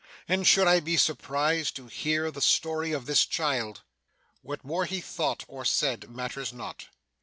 And should I be surprised to hear the story of this child!' What more he thought or said, matters not.